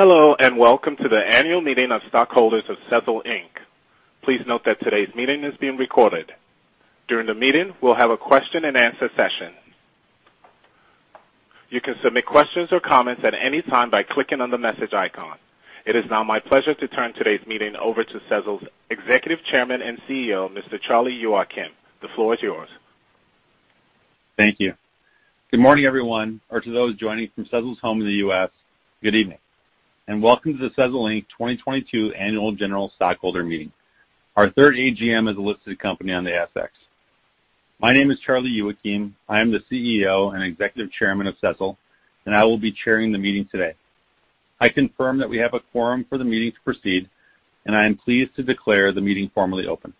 Hello, and welcome to the annual meeting of stockholders of Sezzle Inc. Please note that today's meeting is being recorded. During the meeting, we'll have a question and answer session. You can submit questions or comments at any time by clicking on the message icon. It is now my pleasure to turn today's meeting over to Sezzle's Executive Chairman and CEO, Mr. Charlie Youakim. The floor is yours. Thank you. Good morning, everyone, or to those joining from Sezzle's home in the U.S., good evening, and welcome to the Sezzle Inc 2022 Annual General Stockholder Meeting, our third AGM as a listed company on the ASX. My name is Charlie Youakim. I am the CEO and Executive Chairman of Sezzle, and I will be chairing the meeting today. I confirm that we have a quorum for the meeting to proceed, and I am pleased to declare the meeting formally open.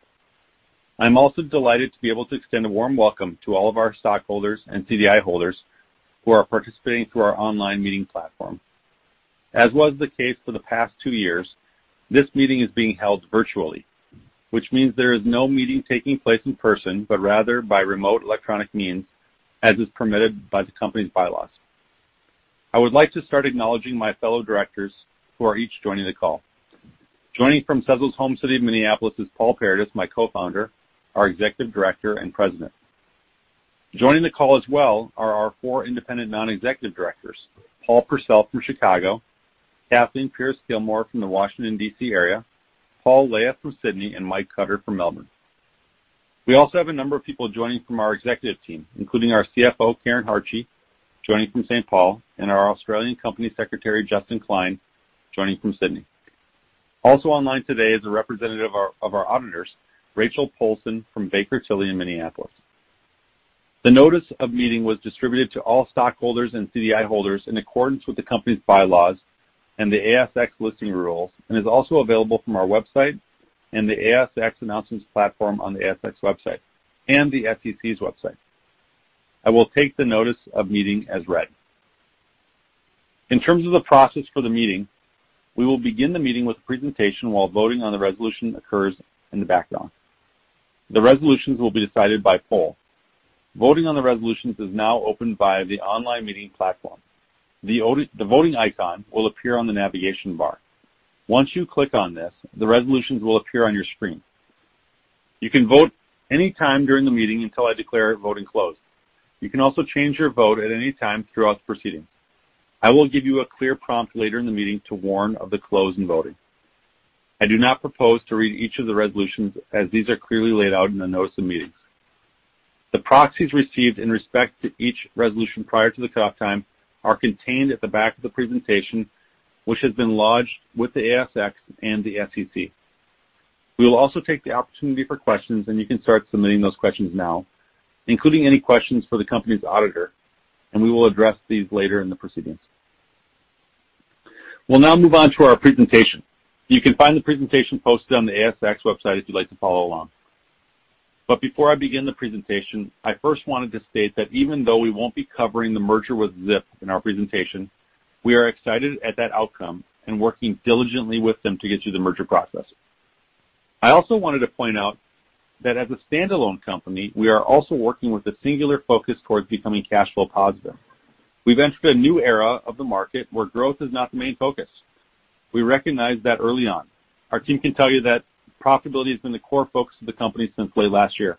I'm also delighted to be able to extend a warm welcome to all of our stockholders and CDI holders who are participating through our online meeting platform. As was the case for the past two years, this meeting is being held virtually, which means there is no meeting taking place in person, but rather by remote electronic means, as is permitted by the company's bylaws. I would like to start acknowledging my fellow directors who are each joining the call. Joining from Sezzle's home city of Minneapolis is Paul Paradis, my Co-founder, our Executive Director and President. Joining the call as well are our four independent non-executive directors, Paul Purcell from Chicago, Kathleen Pierce-Gilmore from the Washington D.C. area, Paul Lahiff from Sydney, and Mike Cutter from Melbourne. We also have a number of people joining from our executive team, including our CFO, Karen Hartje, joining from St. Paul, and our Australian Company Secretary, Justin Clyne, joining from Sydney. Also online today is a representative of our auditors, Rachel Polson from Baker Tilly in Minneapolis. The notice of meeting was distributed to all stockholders and CDI holders in accordance with the company's bylaws and the ASX listing rules and is also available from our website and the ASX announcements platform on the ASX website and the SEC's website. I will take the notice of meeting as read. In terms of the process for the meeting, we will begin the meeting with a presentation while voting on the resolution occurs in the background. The resolutions will be decided by poll. Voting on the resolutions is now open via the online meeting platform. The voting icon will appear on the navigation bar. Once you click on this, the resolutions will appear on your screen. You can vote any time during the meeting until I declare voting closed. You can also change your vote at any time throughout the proceedings. I will give you a clear prompt later in the meeting to warn of the close in voting. I do not propose to read each of the resolutions as these are clearly laid out in the notice of meetings. The proxies received in respect to each resolution prior to the cut-off time are contained at the back of the presentation, which has been lodged with the ASX and the SEC. We will also take the opportunity for questions, and you can start submitting those questions now, including any questions for the company's auditor, and we will address these later in the proceedings. We'll now move on to our presentation. You can find the presentation posted on the ASX website if you'd like to follow along. Before I begin the presentation, I first wanted to state that even though we won't be covering the merger with Zip in our presentation, we are excited at that outcome and working diligently with them to get through the merger process. I also wanted to point out that as a standalone company, we are also working with a singular focus towards becoming cash flow positive. We've entered a new era of the market where growth is not the main focus. We recognized that early on. Our team can tell you that profitability has been the core focus of the company since late last year.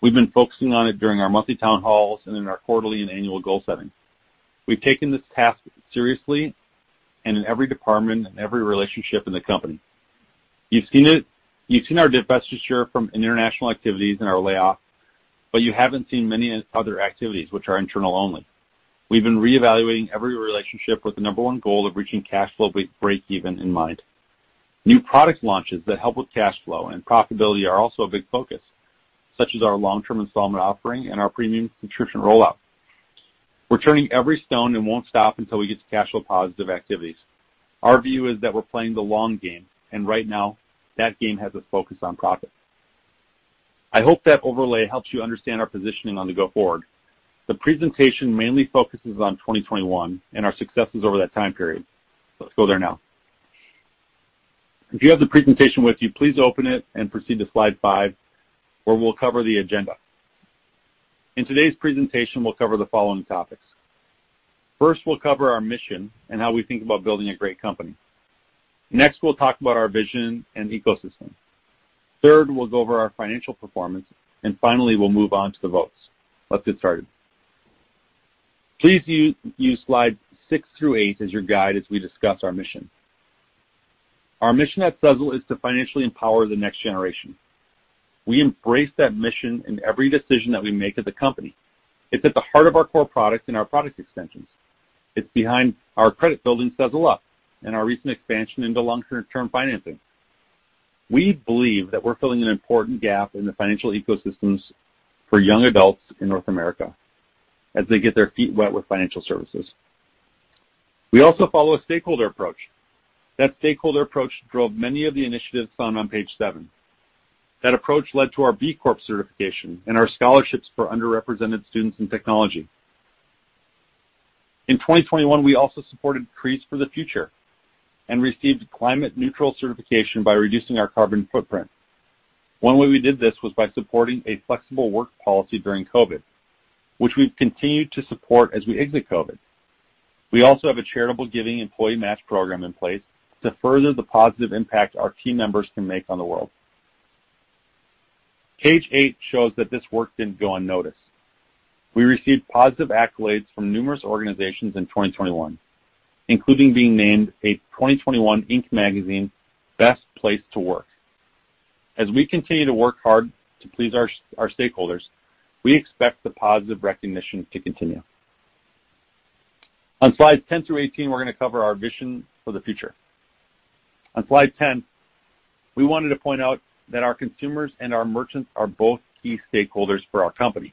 We've been focusing on it during our monthly town halls and in our quarterly and annual goal setting. We've taken this task seriously and in every department and every relationship in the company. You've seen it. You've seen our divestiture from international activities in our layoff, but you haven't seen many other activities which are internal only. We've been reevaluating every relationship with the number one goal of reaching cash flow break even in mind. New product launches that help with cash flow and profitability are also a big focus, such as our long-term installment offering and our premium subscription rollout. We're turning every stone and won't stop until we get to cash flow positive activities. Our view is that we're playing the long game, and right now, that game has us focused on profit. I hope that overlay helps you understand our positioning going forward. The presentation mainly focuses on 2021 and our successes over that time period. Let's go there now. If you have the presentation with you, please open it and proceed to slide five, where we'll cover the agenda. In today's presentation, we'll cover the following topics. First, we'll cover our mission and how we think about building a great company. Next, we'll talk about our vision and ecosystem. Third, we'll go over our financial performance. Finally, we'll move on to the votes. Let's get started. Please use slides six through eight as your guide as we discuss our mission. Our mission at Sezzle is to financially empower the next generation. We embrace that mission in every decision that we make at the company. It's at the heart of our core products and our product extensions. It's behind our credit-building Sezzle Up and our recent expansion into long-term financing. We believe that we're filling an important gap in the financial ecosystems for young adults in North America as they get their feet wet with financial services. We also follow a stakeholder approach. That stakeholder approach drove many of the initiatives found on page seven. That approach led to our B Corp certification and our scholarships for underrepresented students in technology. In 2021, we also supported Trees for the Future and received climate neutral certification by reducing our carbon footprint. One way we did this was by supporting a flexible work policy during COVID, which we've continued to support as we exit COVID. We also have a charitable giving employee match program in place to further the positive impact our team members can make on the world. Page eight shows that this work didn't go unnoticed. We received positive accolades from numerous organizations in 2021, including being named a 2021 Inc Magazine Best Place to Work. As we continue to work hard to please our stakeholders, we expect the positive recognition to continue. On slides 10 through 18, we're gonna cover our vision for the future. On slide 10, we wanted to point out that our consumers and our merchants are both key stakeholders for our company.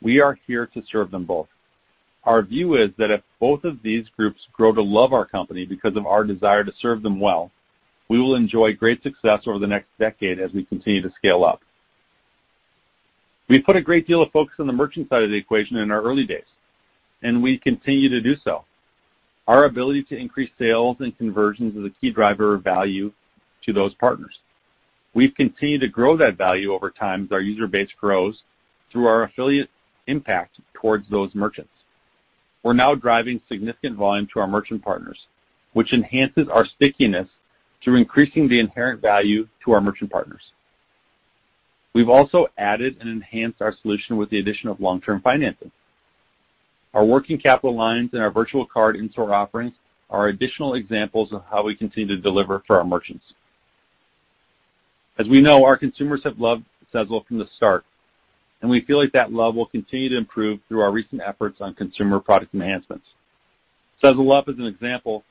We are here to serve them both. Our view is that if both of these groups grow to love our company because of our desire to serve them well, we will enjoy great success over the next decade as we continue to scale up. We put a great deal of focus on the merchant side of the equation in our early days, and we continue to do so. Our ability to increase sales and conversions is a key driver of value to those partners. We've continued to grow that value over time as our user base grows through our affiliate impact towards those merchants. We're now driving significant volume to our merchant partners, which enhances our stickiness through increasing the inherent value to our merchant partners. We've also added and enhanced our solution with the addition of long-term financing. Our working capital lines and our virtual card in-store offerings are additional examples of how we continue to deliver for our merchants. As we know, our consumers have loved Sezzle from the start, and we feel like that love will continue to improve through our recent efforts on consumer product enhancements. Sezzle Up, as an example,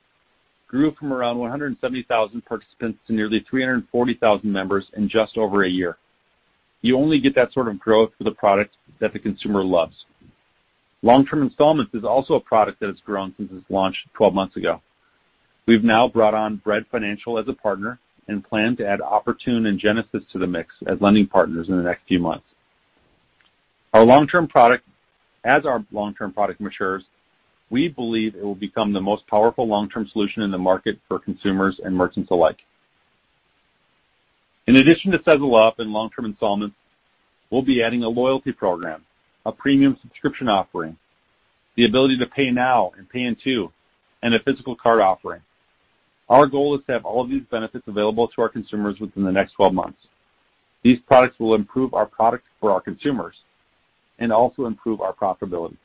grew from around 170,000 participants to nearly 340,000 members in just over a year. You only get that sort of growth with a product that the consumer loves. Long-term installments is also a product that has grown since its launch 12 months ago. We've now brought on Bread Financial as a partner and plan to add Oportun and Genesis to the mix as lending partners in the next few months. As our long-term product matures, we believe it will become the most powerful long-term solution in the market for consumers and merchants alike. In addition to Sezzle Up and long-term installments, we'll be adding a loyalty program, a premium subscription offering, the ability to Pay Now and Pay in Two, and a physical card offering. Our goal is to have all of these benefits available to our consumers within the next 12 months. These products will improve our product for our consumers and also improve our profitability.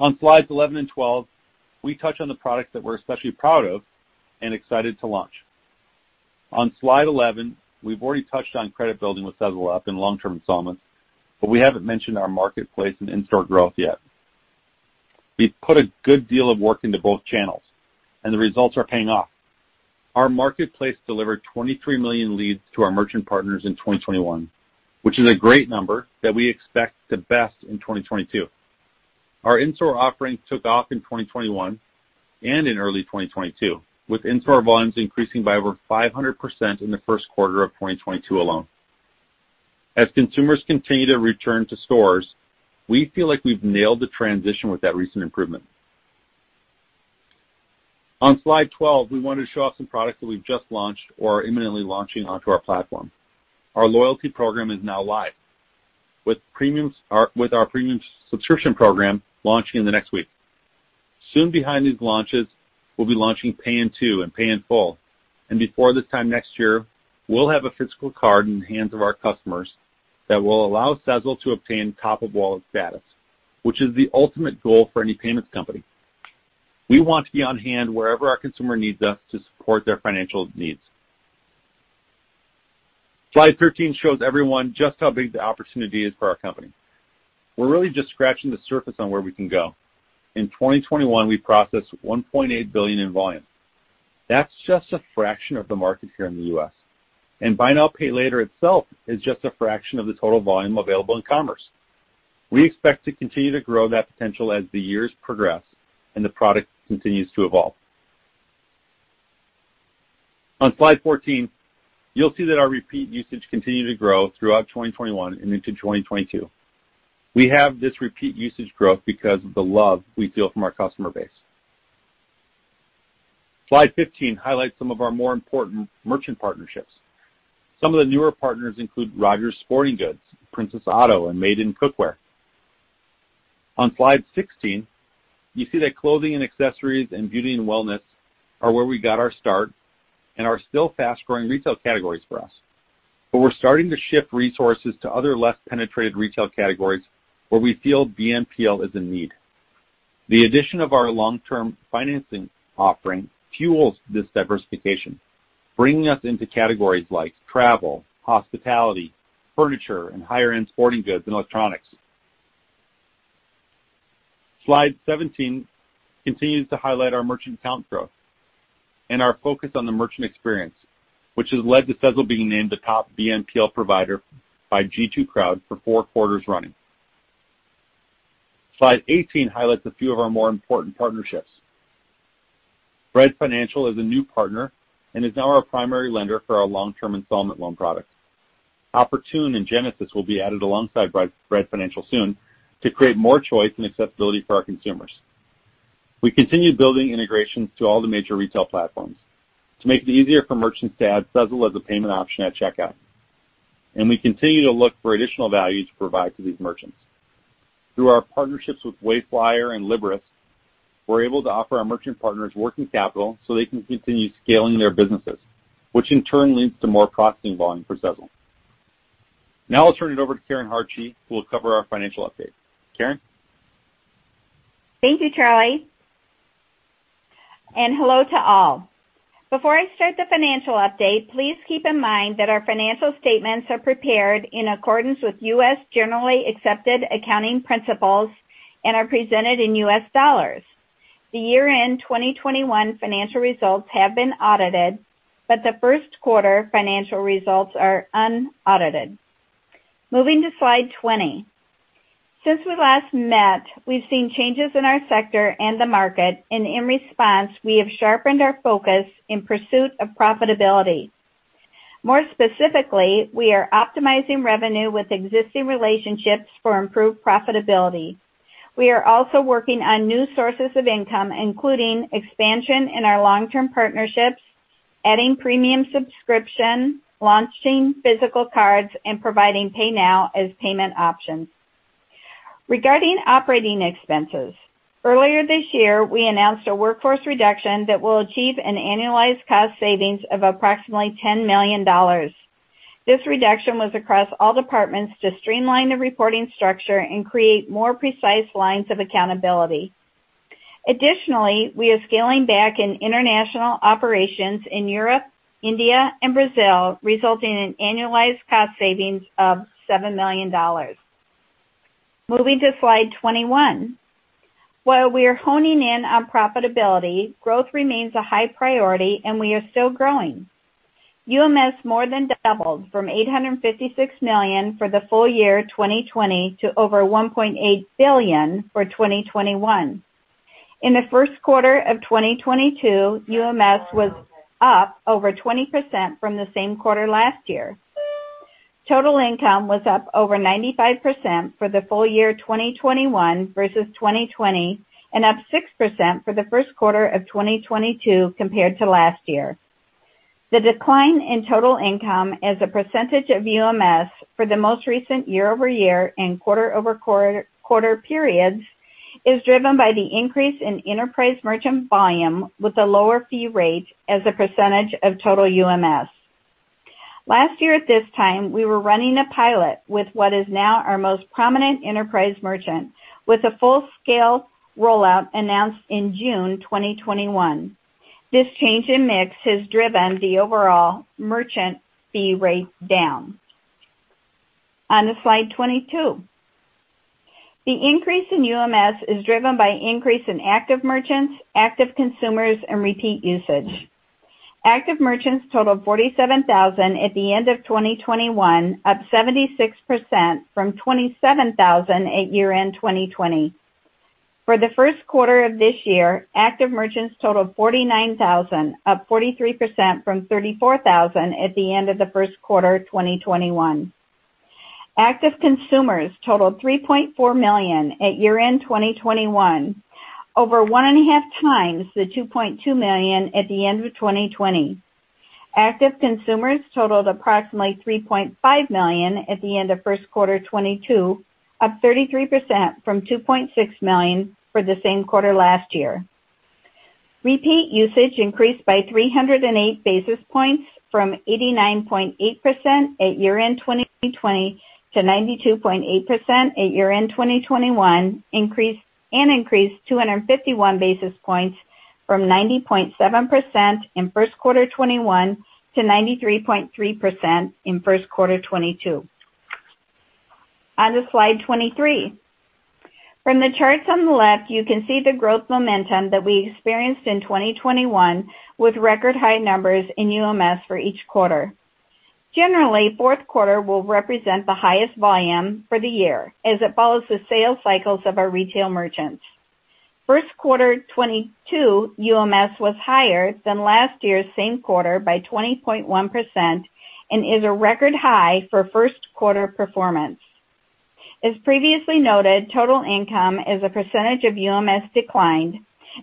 On slides 11 and 12, we touch on the products that we're especially proud of and excited to launch. On slide 11, we've already touched on credit building with Sezzle Up and long-term installments, but we haven't mentioned our marketplace and in-store growth yet. We've put a good deal of work into both channels, and the results are paying off. Our marketplace delivered 23 million leads to our merchant partners in 2021, which is a great number that we expect to best in 2022. Our in-store offerings took off in 2021 and in early 2022, with in-store volumes increasing by over 500% in the first quarter of 2022 alone. As consumers continue to return to stores, we feel like we've nailed the transition with that recent improvement. On slide 12, we wanted to show off some products that we've just launched or are imminently launching onto our platform. Our loyalty program is now live, with our premium subscription program launching in the next week. Soon behind these launches, we'll be launching Pay in Two and Pay in Full, and before this time next year, we'll have a physical card in the hands of our customers that will allow Sezzle to obtain top-of-wallet status, which is the ultimate goal for any payments company. We want to be on hand wherever our consumer needs us to support their financial needs. Slide 13 shows everyone just how big the opportunity is for our company. We're really just scratching the surface on where we can go. In 2021, we processed $1.8 billion in volume. That's just a fraction of the market here in the U.S., and Buy Now, Pay Later itself is just a fraction of the total volume available in commerce. We expect to continue to grow that potential as the years progress and the product continues to evolve. On Slide 14, you'll see that our repeat usage continued to grow throughout 2021 and into 2022. We have this repeat usage growth because of the love we feel from our customer base. Slide 15 highlights some of our more important merchant partnerships. Some of the newer partners include Rogers Sporting Goods, Princess Auto, and Made In Cookware. On Slide 16, you see that clothing and accessories and beauty and wellness are where we got our start and are still fast-growing retail categories for us, but we're starting to shift resources to other less penetrated retail categories where we feel BNPL is in need. The addition of our long-term financing offering fuels this diversification, bringing us into categories like travel, hospitality, furniture, and higher-end sporting goods and electronics. Slide 17 continues to highlight our merchant count growth and our focus on the merchant experience, which has led to Sezzle being named the top BNPL provider by G2 for four quarters running. Slide 18 highlights a few of our more important partnerships. Bread Financial is a new partner and is now our primary lender for our long-term installment loan products. Oportun and Genesis will be added alongside Bread Financial soon to create more choice and accessibility for our consumers. We continued building integrations to all the major retail platforms to make it easier for merchants to add Sezzle as a payment option at checkout. We continue to look for additional value to provide to these merchants. Through our partnerships with Wayflyer and Liberis, we're able to offer our merchant partners working capital so they can continue scaling their businesses, which in turn leads to more processing volume for Sezzle. Now I'll turn it over to Karen Hartje, who will cover our financial update. Karen? Thank you, Charlie, and hello to all. Before I start the financial update, please keep in mind that our financial statements are prepared in accordance with U.S. generally accepted accounting principles and are presented in U.S. dollars. The year-end 2021 financial results have been audited, but the first quarter financial results are unaudited. Moving to Slide 20. Since we last met, we've seen changes in our sector and the market, and in response, we have sharpened our focus in pursuit of profitability. More specifically, we are optimizing revenue with existing relationships for improved profitability. We are also working on new sources of income, including expansion in our long-term partnerships, adding premium subscription, launching physical cards, and providing Pay Now as payment options. Regarding operating expenses, earlier this year, we announced a workforce reduction that will achieve an annualized cost savings of approximately $10 million. This reduction was across all departments to streamline the reporting structure and create more precise lines of accountability. Additionally, we are scaling back in international operations in Europe, India, and Brazil, resulting in annualized cost savings of $7 million. Moving to slide 21. While we are honing in on profitability, growth remains a high priority and we are still growing. UMS more than doubled from $856 million for the full year 2020 to over $1.8 billion for 2021. In the first quarter of 2022, UMS was up over 20% from the same quarter last year. Total income was up over 95% for the full year 2021 versus 2020, and up 6% for the first quarter of 2022 compared to last year. The decline in total income as a percentage of UMS for the most recent year-over-year and quarter-over-quarter periods is driven by the increase in enterprise merchant volume with a lower fee rate as a percentage of total UMS. Last year at this time, we were running a pilot with what is now our most prominent enterprise merchant with a full-scale rollout announced in June 2021. This change in mix has driven the overall merchant fee rate down. On to slide 22. The increase in UMS is driven by increase in active merchants, active consumers, and repeat usage. Active merchants totaled 47,000 at the end of 2021, up 76% from 27,000 at year-end 2020. For the first quarter of this year, active merchants totaled 49,000, up 43% from 34,000 at the end of the first quarter 2021. Active consumers totaled 3.4 million at year-end 2021, over 1.5x the 2.2 million at the end of 2020. Active consumers totaled approximately 3.5 million at the end of first quarter 2022, up 33% from 2.6 million for the same quarter last year. Repeat usage increased by 308 basis points from 89.8% at year-end 2020 to 92.8% at year-end 2021. Increased 251 basis points from 90.7% in first quarter 2021 to 93.3% in first quarter 2022. On to slide 23. From the charts on the left, you can see the growth momentum that we experienced in 2021 with record high numbers in UMS for each quarter. Generally, fourth quarter will represent the highest volume for the year as it follows the sales cycles of our retail merchants. First quarter 2022 UMS was higher than last year's same quarter by 20.1% and is a record high for first quarter performance. As previously noted, total income as a percentage of UMS declined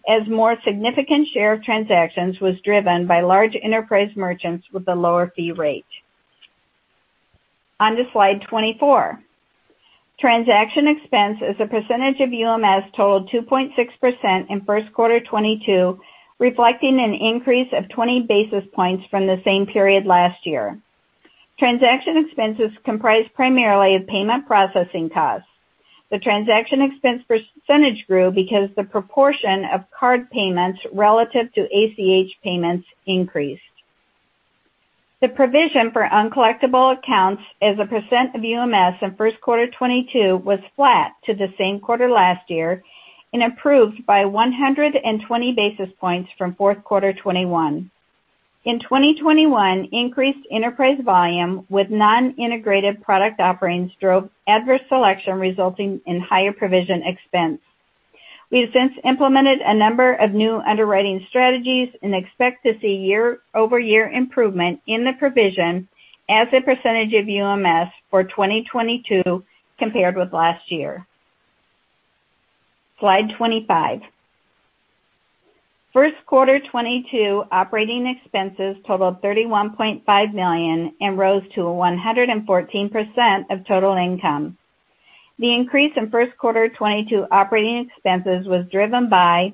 as more significant share of transactions was driven by large enterprise merchants with a lower fee rate. On to slide 24. Transaction expense as a percentage of UMS totaled 2.6% in first quarter 2022, reflecting an increase of 20 basis points from the same period last year. Transaction expenses comprised primarily of payment processing costs. The transaction expense percentage grew because the proportion of card payments relative to ACH payments increased. The provision for uncollectible accounts as a percent of UMS in first quarter 2022 was flat to the same quarter last year and improved by 120 basis points from fourth quarter 2021. In 2021, increased enterprise volume with non-integrated product offerings drove adverse selection resulting in higher provision expense. We have since implemented a number of new underwriting strategies and expect to see year-over-year improvement in the provision as a percentage of UMS for 2022 compared with last year. Slide 25. First quarter 2022 operating expenses totaled $31.5 million and rose to 114% of total income. The increase in first quarter 2022 operating expenses was driven by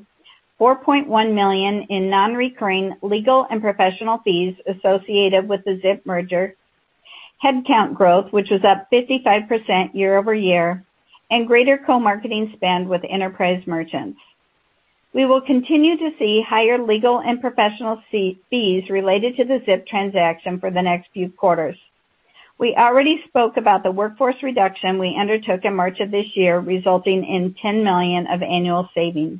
$4.1 million in non-recurring legal and professional fees associated with the Zip merger, headcount growth, which was up 55% year-over-year, and greater co-marketing spend with enterprise merchants. We will continue to see higher legal and professional fees related to the Zip transaction for the next few quarters. We already spoke about the workforce reduction we undertook in March of this year, resulting in $10 million of annual savings.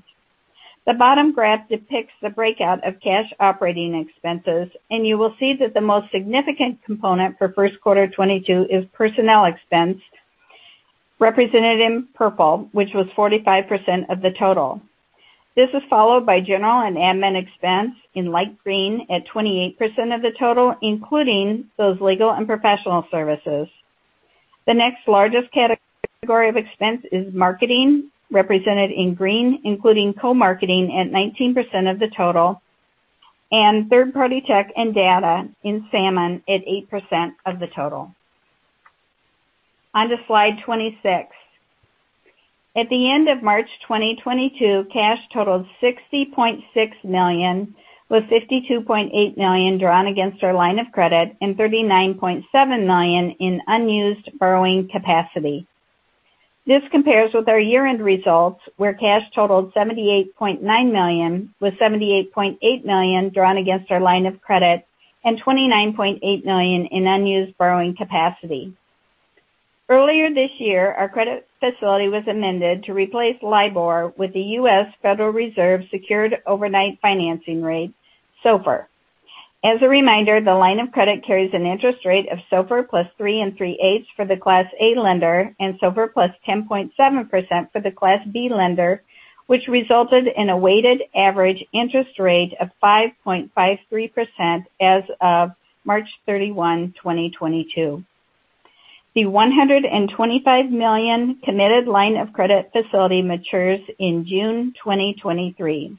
The bottom graph depicts the breakout of cash operating expenses, and you will see that the most significant component for first quarter 2022 is personnel expense, represented in purple, which was 45% of the total. This is followed by general and admin expense in light green at 28% of the total, including those legal and professional services. The next largest category of expense is marketing, represented in green, including co-marketing at 19% of the total, and third-party tech and data in salmon at 8% of the total. Onto slide 26. At the end of March 2022, cash totaled $60.6 million, with $52.8 million drawn against our line of credit and $39.7 million in unused borrowing capacity. This compares with our year-end results, where cash totaled $78.9 million, with $78.8 million drawn against our line of credit and $29.8 million in unused borrowing capacity. Earlier this year, our credit facility was amended to replace LIBOR with the U.S. Federal Reserve Secured Overnight Financing Rate, SOFR. As a reminder, the line of credit carries an interest rate of SOFR +3.375 for the Class A lender and SOFR +10.7% for the Class B lender, which resulted in a weighted average interest rate of 5.53% as of March 31, 2022. The $125 million committed line of credit facility matures in June 2023.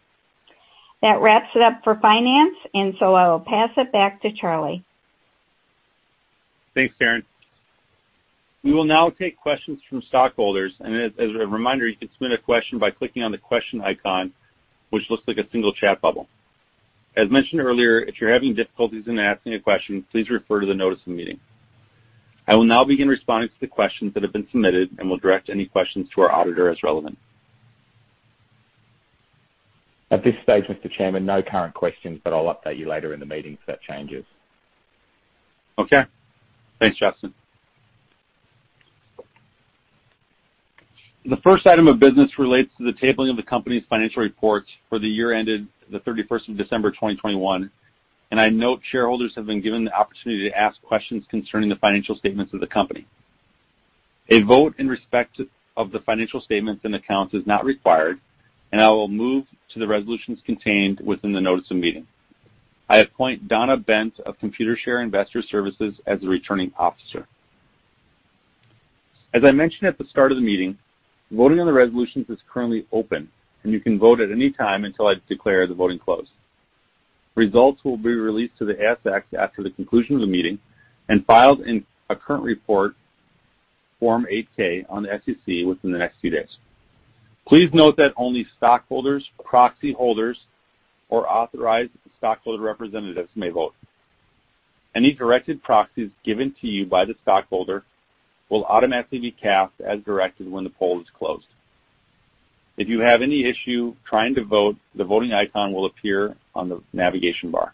That wraps it up for finance, and so I will pass it back to Charlie. Thanks, Karen. We will now take questions from stockholders. As a reminder, you can submit a question by clicking on the Question icon, which looks like a single chat bubble. As mentioned earlier, if you're having difficulties in asking a question, please refer to the notice of the meeting. I will now begin responding to the questions that have been submitted and will direct any questions to our auditor as relevant. At this stage, Mr. Chairman, no current questions, but I'll update you later in the meeting if that changes. Okay. Thanks, Justin. The first item of business relates to the tabling of the company's financial reports for the year ended the 31st of December, 2021, and I note shareholders have been given the opportunity to ask questions concerning the financial statements of the company. A vote in respect of the financial statements and accounts is not required, and I will move to the resolutions contained within the notice of meeting. I appoint Donna Bent of Computershare Investor Services as the returning officer. As I mentioned at the start of the meeting, voting on the resolutions is currently open, and you can vote at any time until I declare the voting closed. Results will be released to the ASX after the conclusion of the meeting and filed in a current report Form 8-K on the SEC within the next few days. Please note that only stockholders, proxy holders, or authorized stockholder representatives may vote. Any directed proxies given to you by the stockholder will automatically be cast as directed when the poll is closed. If you have any issue trying to vote, the Voting icon will appear on the navigation bar.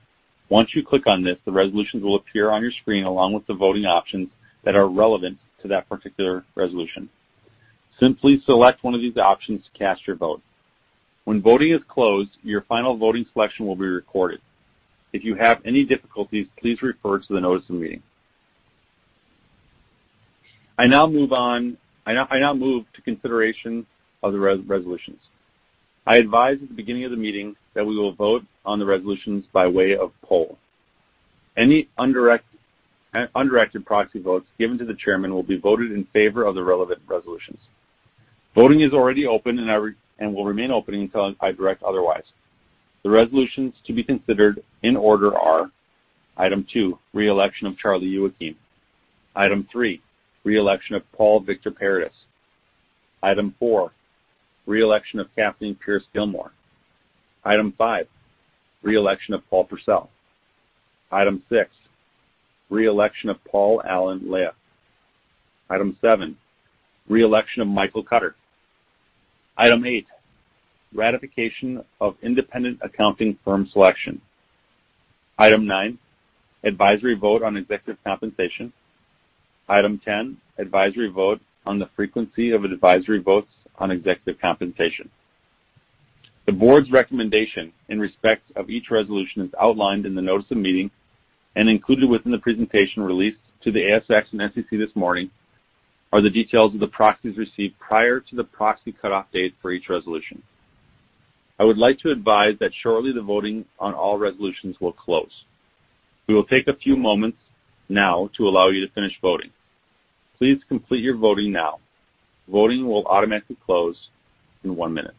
Once you click on this, the resolutions will appear on your screen, along with the voting options that are relevant to that particular resolution. Simply select one of these options to cast your vote. When voting is closed, your final voting selection will be recorded. If you have any difficulties, please refer to the notice of the meeting. I now move to consideration of the resolutions. I advised at the beginning of the meeting that we will vote on the resolutions by way of poll. Any undirected proxy votes given to the chairman will be voted in favor of the relevant resolutions. Voting is already open and will remain open until I direct otherwise. The resolutions to be considered in order are item two, re-election of Charlie Youakim. Item three, re-election of Paul Paradis. Item four, re-election of Kathleen Pierce-Gilmore. Item five, re-election of Paul Purcell. Item six, re-election of Paul Lahiff. Item seven, re-election of Mike Cutter. Item eight, ratification of independent accounting firm selection. Item nine, advisory vote on executive compensation. Item ten, advisory vote on the frequency of advisory votes on executive compensation. The board's recommendation in respect of each resolution is outlined in the notice of meeting, and included within the presentation released to the ASX and SEC this morning are the details of the proxies received prior to the proxy cutoff date for each resolution. I would like to advise that shortly the voting on all resolutions will close. We will take a few moments now to allow you to finish voting. Please complete your voting now. Voting will automatically close in one minute.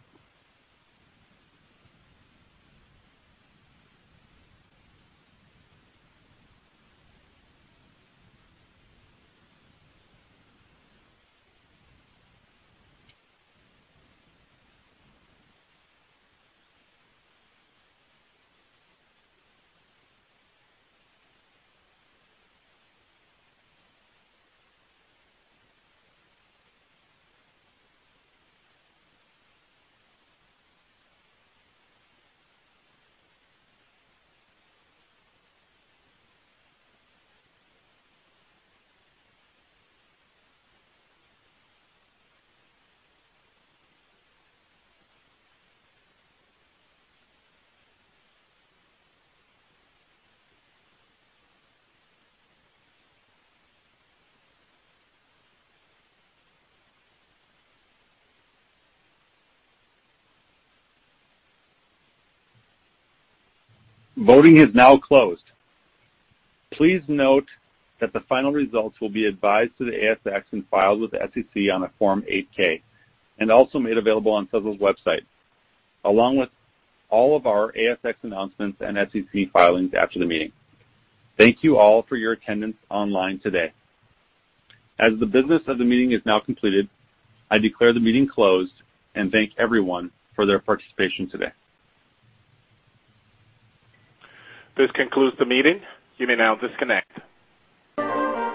Voting is now closed. Please note that the final results will be advised to the ASX and filed with the SEC on a Form 8-K and also made available on Sezzle's website, along with all of our ASX announcements and SEC filings after the meeting. Thank you all for your attendance online today. As the business of the meeting is now completed, I declare the meeting closed and thank everyone for their participation today. This concludes the meeting. You may now disconnect.